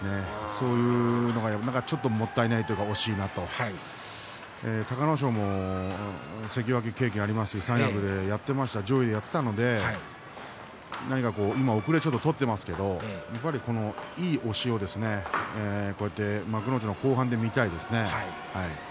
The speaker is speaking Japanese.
そういうのがもったいないなというか惜しいなというか隆の勝は関脇経験がありますし三役上位でやっていましたので今、後れを取っていますけどいい押しを幕内の後半で見たいですね。